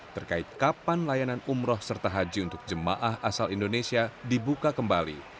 terkait kapan layanan umroh serta haji untuk jemaah asal indonesia dibuka kembali